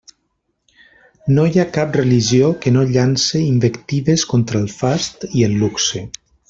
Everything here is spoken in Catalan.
No hi ha cap religió que no llance invectives contra el fast i el luxe.